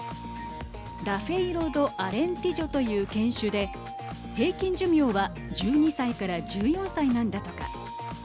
ラフェイロ・ド・アレンティジョという犬種で平均寿命は１２歳から１４歳なんだとか。